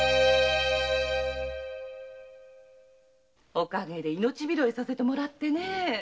おかげで命拾いさせてもらってねぇ。